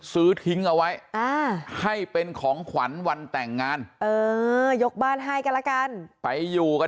ซื้อทิ้งเอาไว้ให้เป็นของขวัญวันแต่งงานเออยกบ้านให้กันละกันไปอยู่กัน